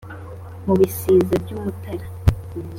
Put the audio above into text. Mu bisiza by'Umutara